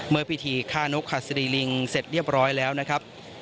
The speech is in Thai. เมื่อพิธีฆ่านกหัสดีลิงเสร็จเรียบร้อยแล้วนะครับ